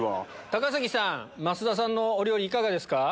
高杉さん増田さんのお料理いかがですか？